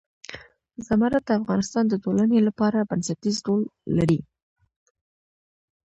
زمرد د افغانستان د ټولنې لپاره بنسټيز رول لري.